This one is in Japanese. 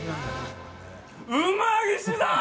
うまぎしだ！